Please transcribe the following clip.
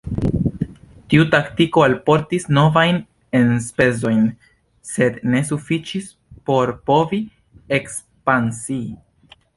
Tiu taktiko alportis novajn enspezojn, sed ne sufiĉis por povi ekspansii.